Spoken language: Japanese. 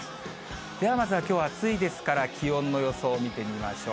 ではまずは、きょう暑いですから、気温の予想、見てみましょう。